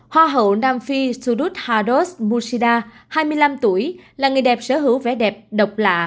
hoa hậu nam phi sudut hados mushida hai mươi năm tuổi là người đẹp sở hữu vẻ đẹp độc lạ